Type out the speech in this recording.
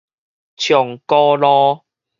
松高路